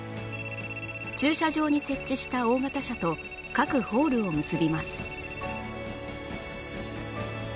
駐車場に設置した大型車と各ホールを結びます